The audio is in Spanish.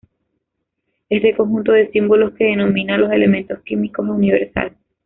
Este conjunto de símbolos que denomina a los elementos químicos es universal.